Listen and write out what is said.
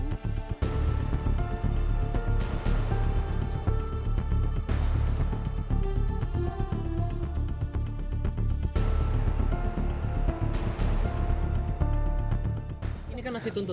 ini kan masih tuntutan